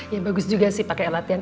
ya bagus juga sih pakai latihan